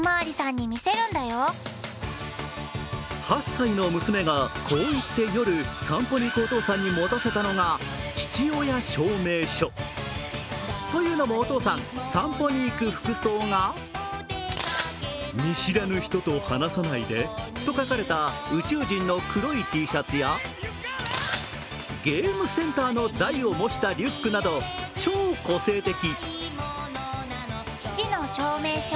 ８歳の娘が、こう言って夜散歩に行くお父さんに持たせたのが父親証明書。というのもお父さん、散歩に行く服装が「見知らぬ人と話さないで」と書かれた黒い宇宙人のＴシャツや、ゲームセンターの台を模したリュックなど超個性的。